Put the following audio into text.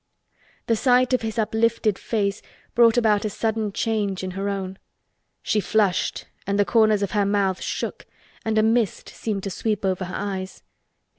The sight of his uplifted face brought about a sudden change in her own. She flushed and the corners of her mouth shook and a mist seemed to sweep over her eyes.